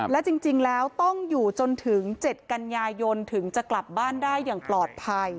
และจริงแล้วต้องอยู่จนถึง๗กันยายนถึงจะกลับบ้านได้อย่างปลอดภัย